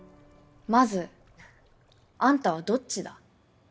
まずあんたはどっちだ？